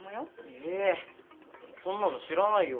えそんなの知らないよ。